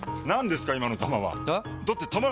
何ですか今の球は！え？